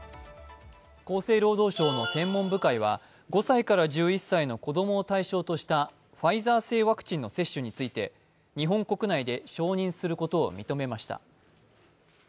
厚生労働省の専門部会は５歳から１１歳の子供を対象としたファイザー製ワクチンの接種について日本国内で承認することを認めました。